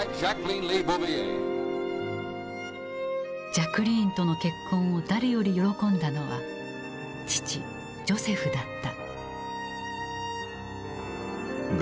ジャクリーンとの結婚を誰より喜んだのは父ジョセフだった。